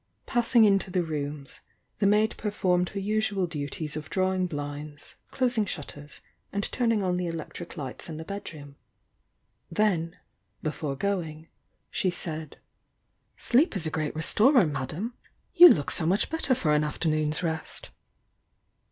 Passing into the rooms, the maid performed her usual duties of drawing blinds, closing shutters and turning on the electric lights in tiie bedroom, — then, before going, she said : li III '5 ' ii h I I: ':! ■■li i 184 THE YOUNG DIANA "Sleep is a great restorer, Madame! \o\x look 80 much better for an afternoon's rest!"